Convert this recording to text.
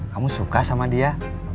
kamu suka sama dia